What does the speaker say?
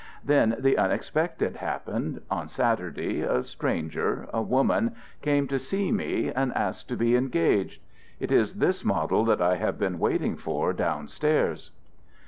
Then the unexpected happened: on Saturday a stranger, a woman, came to see me and asked to be engaged. It is this model that I have been waiting for down stairs."